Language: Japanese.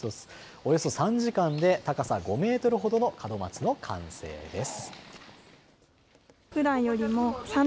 およそ３時間で高さ５メートルほどの門松の完成です。